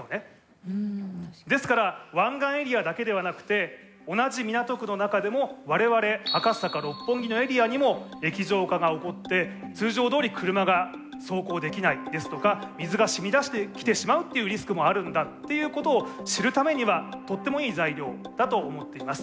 ですから湾岸エリアだけではなくて同じ港区の中でも我々赤坂・六本木のエリアにも液状化が起こって通常どおり車が走行できないですとか水が染みだしてきてしまうっていうリスクもあるんだっていうことを知るためにはとってもいい材料だと思っています。